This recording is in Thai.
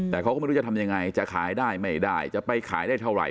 แต่เขาก็ไม่รู้จะทำยังไงจะขายได้ไม่ได้จะไปขายได้เท่าไห